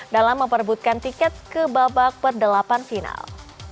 dalam memperebutkan tiket ke babak perdelapan final